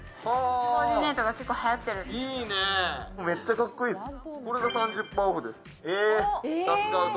めっちゃかっこいいっす。